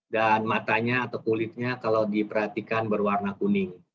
dan matanya atau kulitnya kalau diperhatikan berwarna kuning